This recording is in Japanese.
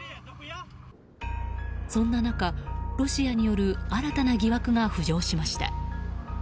そんな中、ロシアによる新たな疑惑が浮上しました。